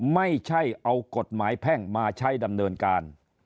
ไม่ใช่เอากฎหมายแพ่งมาใช้ดำเนินการ